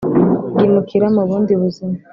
bwimukira mu bundi buzima,